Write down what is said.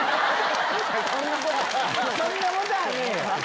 そんなことはねえよ。